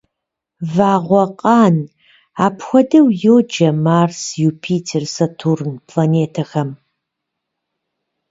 Вагъуэкъан – апхуэдэу йоджэ Марс, Юпитер, Сатурн планетэхэм.